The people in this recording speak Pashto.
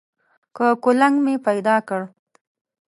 که کولنګ مې پیدا کړ.